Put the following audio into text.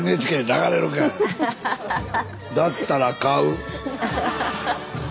だったら買う。